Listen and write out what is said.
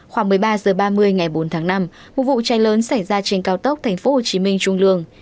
khoảng một mươi ba h ba mươi ngày bốn tháng năm một vụ cháy lớn xảy ra trên cao tốc tp hcm trung lương